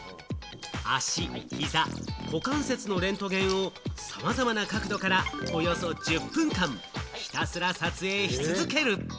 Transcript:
足、膝、股関節のレントゲンをさまざまな角度からおよそ１０分間、ひたすら撮影し続ける。